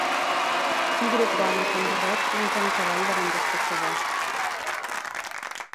Un grup d'homes amb barret munten a cavall davant d'espectadors.